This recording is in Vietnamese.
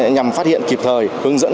nhằm phát hiện kịp thời hướng dẫn